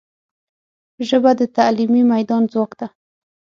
ژبه د تعلیمي میدان ځواک ده